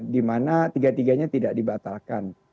di mana tiga tiganya tidak dibatalkan